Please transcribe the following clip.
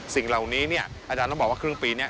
สิ่งเหล่านี้เนี่ยอาจารย์ต้องบอกว่าครึ่งปีนี้